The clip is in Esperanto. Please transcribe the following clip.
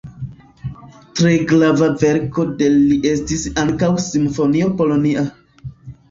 Tre grava verko de li estis ankaŭ simfonio "Polonia".